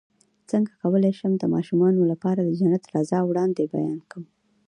څنګه کولی شم د ماشومانو لپاره د جنت د رضا وړاندې بیان کړم